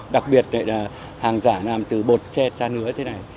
đặc biệt đây là hàng giả làm từ bột che tra nứa thế này